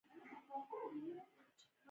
آیا دوی د کچالو په کښت مشهور نه دي؟